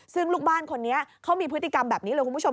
ซึ่งลูกบ้านคนนี้เขามีพฤติกรรมแบบนี้เลยคุณผู้ชม